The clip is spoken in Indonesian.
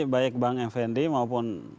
baik bang efendi maupun